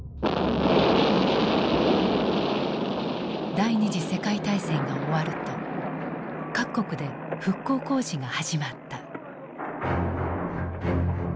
第二次世界大戦が終わると各国で復興工事が始まった。